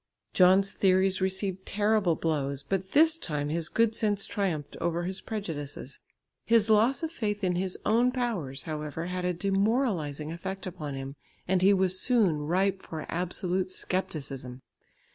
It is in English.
John's theories received terrible blows, but this time his good sense triumphed over his prejudices. His loss of faith in his own powers, however, had a demoralising effect upon him, and he was soon ripe for absolute scepticism.